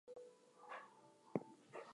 these phrases should be easy to spell